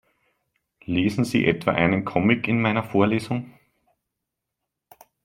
Lesen Sie etwa einen Comic in meiner Vorlesung?